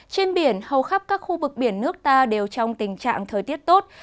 trên biển hầu khắp các khu vực biển nước ta đều trong tình trạng thời tiết tốt